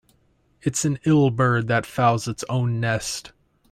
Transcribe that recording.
It's an ill bird that fouls its own nest.